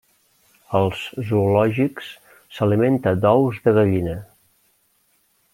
Als zoològics, s'alimenta d'ous de gallina.